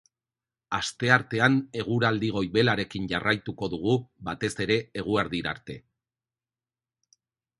Asteartean eguraldi goibelarekin jarraituko dugu, batez ere eguerdira arte.